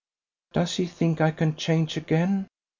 "Does he think I can change again?